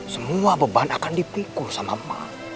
semua beban akan dipikul sama ma